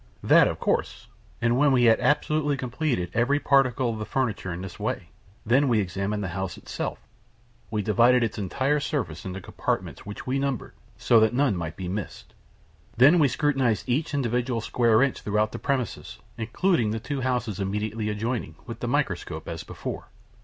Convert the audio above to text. "That, of course; and when we had absolutely completed every particle of the furniture in this way, then we examined the house itself. We divided its entire surface into compartments, which we numbered, so that none might be missed; then we scrutinized each individual square inch throughout the premises, including the two houses immediately adjoining, with the microscope, as before."